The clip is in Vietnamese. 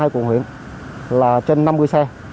hai mươi hai quận huyện là trên năm mươi xe